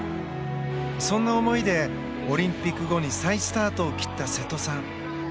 そんな思いで、オリンピック後に再スタートを切った瀬戸さん。